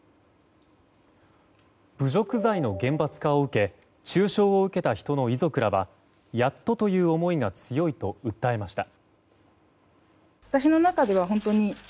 侮辱罪の厳罰化を受け中傷を受けた人の遺族らはやっとという思いが強いと訴えました。